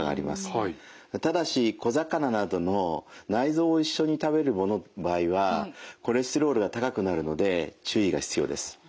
ただし小魚などの内臓を一緒に食べるものの場合はコレステロールが高くなるので注意が必要です。